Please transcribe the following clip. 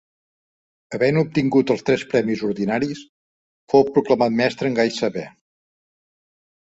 Havent obtingut els tres premis ordinaris, fou proclamat Mestre en Gai Saber.